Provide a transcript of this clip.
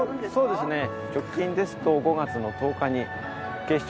そうですね。